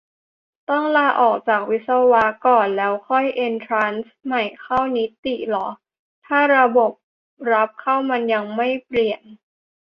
ต้องลาออกจากวิศวะก่อน แล้วค่อยเอ็นทรานซ์ใหม่เข้านิติเหรอ ถ้าระบบรับเข้ามันยังไม่เปลี่ยน ?